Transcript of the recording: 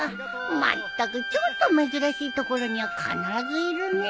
まったくちょっと珍しい所には必ずいるね。